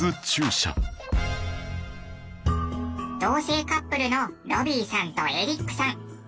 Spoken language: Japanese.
同性カップルのロビーさんとエリックさん。